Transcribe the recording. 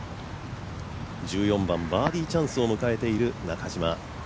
１４番バーディーチャンスを迎えている中島。